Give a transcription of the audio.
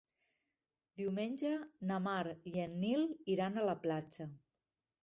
Diumenge na Mar i en Nil iran a la platja.